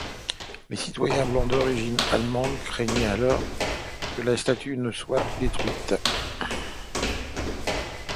Les citoyens blancs d'origine allemande craignent alors que la statue ne soit détruite.